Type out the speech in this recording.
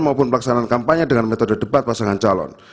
maupun pelaksanaan kampanye dengan metode debat pasangan calon